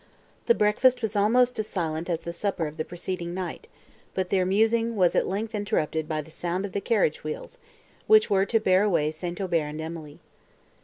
The breakfast was almost as silent as the supper of the preceding night; but their musing was at length interrupted by the sound of the carriage wheels, which were to bear away St. Aubert and Emily.